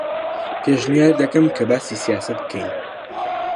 پێشنیار دەکەم کە باسی سیاسەت بکەین.